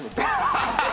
ハハハハ！